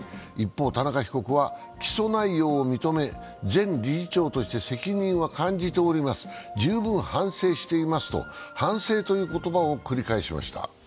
一方、田中被告は起訴内容を認め前理事長として責任は感じております、十分反省していますと、反省という言葉を繰り返しました。